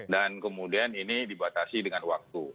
dan kemudian ini dibatasi dengan waktu